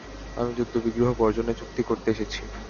আমি যুদ্ধ-বিগ্রহ বর্জনের চুক্তি করতে এসেছি।